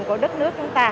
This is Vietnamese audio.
của đất nước chúng ta